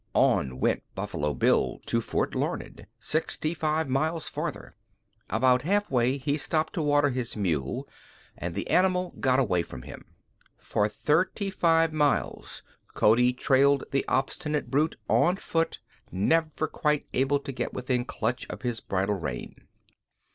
On went Buffalo Bill to Fort Larned, sixty five miles farther. About half way he stopped to water his mule and the animal got away from him. For thirty five miles Cody trailed the obstinate brute on foot, never quite able to get within clutch of his bridle rein.